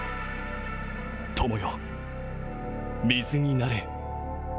友よ、水になれ。